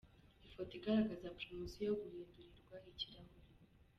Ifoto igaragaza promotion yo guhindurirwa ikirahuri.